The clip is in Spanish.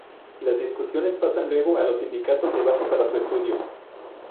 Las discusiones pasan luego a los sindicatos de base para su estudio.